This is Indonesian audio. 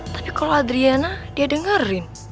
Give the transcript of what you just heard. tapi kalau adriana dia dengerin